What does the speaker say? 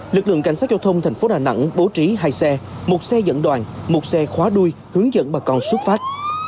lực lượng cảnh sát giao thông thành phố đà nẵng bố trí hai xe một xe dẫn đoàn một xe khóa đuôi hướng dẫn bà con xuất phát